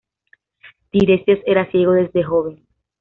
Tiresias era ciego desde joven.